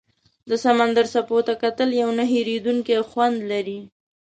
د سمندر څپو ته کتل یو نه هېریدونکی خوند لري.